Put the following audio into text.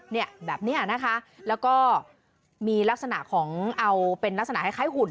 เนี่ยแบบเนี้ยนะคะแล้วก็มีลักษณะของเอาเป็นลักษณะคล้ายหุ่น